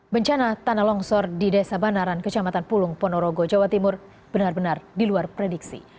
bencana tanah longsor di desa banaran kecamatan pulung ponorogo jawa timur benar benar diluar prediksi